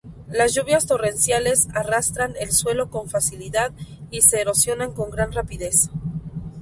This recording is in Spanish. Las lluvias torrenciales arrastran el suelo con facilidad y se erosiona con gran rapidez.